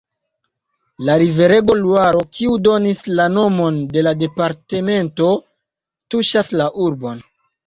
La riverego Luaro, kiu donis la nomon de la departemento, tuŝas la urbon.